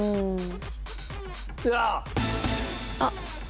あっ。